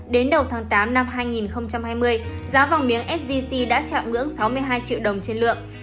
đến đầu tháng tám năm hai nghìn hai mươi giá vàng miếng sgc đã chạm ngưỡng sáu mươi hai triệu đồng trên lượng